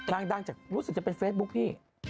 ลงดั่งรู้สึกจะเป็นเฟซบุ๊กพี่